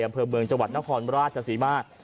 อำเภอเมืองจังหวัดนครราชศรีมา